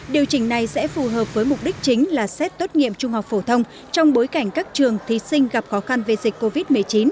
điều chỉnh này sẽ phù hợp với mục đích chính là xét tốt nghiệp trung học phổ thông trong bối cảnh các trường thí sinh gặp khó khăn về dịch covid một mươi chín